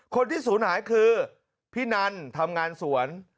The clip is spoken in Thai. คนที่ศูนย์หายคือพี่นันทำงานสวน